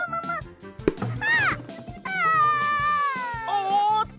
おっと！